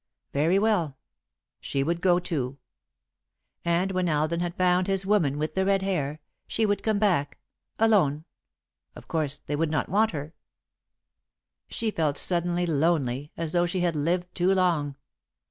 Very well, she would go too. And when Alden had found his woman with the red hair, she would come back, alone of course they would not want her. She felt suddenly lonely, as though she had lived too long.